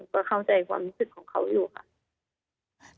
ก็เข้าใจความรู้สึกของเขาอยู่ค่ะ